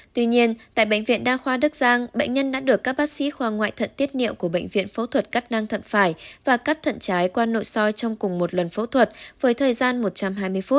tuy nhiên tại bệnh viện đa khoa đức giang bệnh nhân đã được các bác sĩ khoa ngoại thận tiết niệu của bệnh viện phẫu thuật cắt năng thận phải và cắt thận trái qua nội soi trong cùng một lần phẫu thuật với thời gian một trăm hai mươi phút